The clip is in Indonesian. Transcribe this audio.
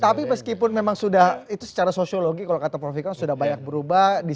tapi meskipun memang sudah itu secara sosiologi kalau kata prof ikam sudah banyak berubah